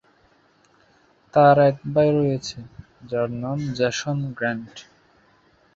তার এক ভাই রয়েছে, যার নাম জেসন গ্র্যান্ট।